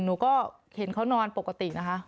หนูก็เห็นเขานอนปกตินะคะ